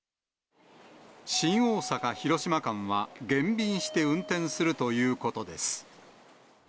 新大阪・広島間は減便して運転するということです。